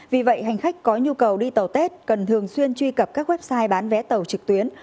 vì vậy hành khách có nhu cầu đi tàu tết cần thường xuyên truy cập các website bán vé tàu trực tuyến